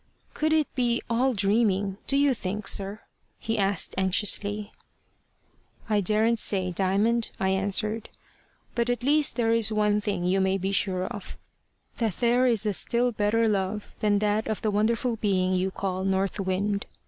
"Could it be all dreaming, do you think, sir?" he asked anxiously. "I daren't say, Diamond," I answered. "But at least there is one thing you may be sure of, that there is a still better love than that of the wonderful being you call North Wind.